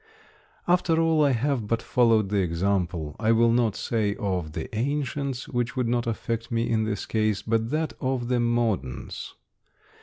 After all, I have but followed the example, I will not say of the ancients, which would not affect me in this case, but that of the moderns.